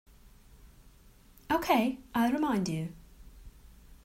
Okay, I'll remind you.